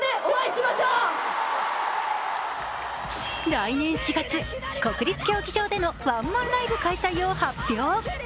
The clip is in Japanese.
来年４月、国立競技場でのワンマンライブ開催を発表。